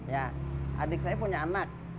ya adik saya punya anak